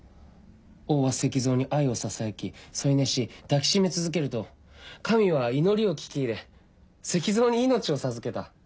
王は石像に愛をささやき添い寝し抱き締め続けると神は祈りを聞き入れ石像に命を授けた。